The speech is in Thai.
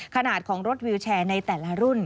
ขนาดของรถวิวแชร์ในแต่ละรุ่น